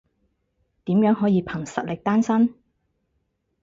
點樣可以憑實力單身？